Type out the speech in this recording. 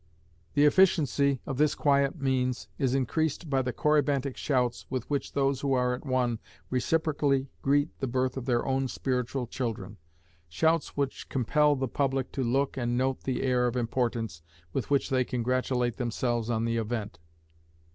The efficiency of this quiet means is increased by the Corybantic shouts with which those who are at one reciprocally greet the birth of their own spiritual children—shouts which compel the public to look and note the air of importance with which they congratulate themselves on the event.